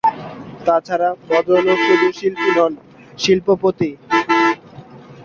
তা ছাড়া ভদ্রলোক শুধু শিল্পী নন, শিল্পপতি।